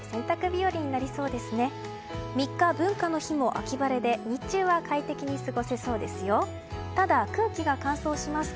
３日、文化の日も秋晴れで日中は快適に過ごせそうです。